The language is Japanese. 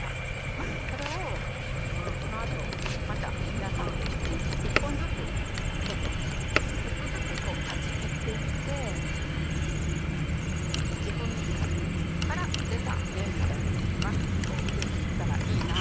まあそれをこのあとまた皆さんと一緒に一本ずつちょっとちょっとずつ断ち切っていって自分から出た根みたいなものが増えていったらいいなという。